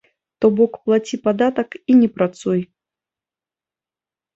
То бок, плаці падатак і не працуй!